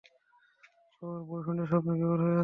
ও ওর বয়ফ্রেন্ডের স্বপ্নে বিভোর হয়ে আছে।